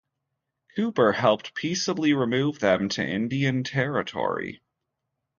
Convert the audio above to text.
Cooper helped peaceably remove them to Indian Territory.